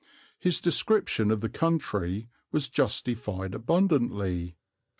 His description of the country was justified abundantly.